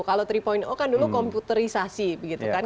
kalau tiga kan dulu komputerisasi begitu kan